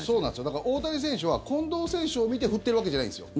だから、大谷選手は近藤選手を見て振ってるわけじゃないんですよ。